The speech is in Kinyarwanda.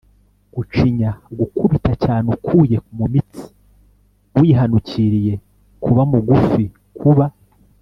gucinya: gukubita cyane ukuye mu mitsi, wihanukiriye; kuba mugufi, kuba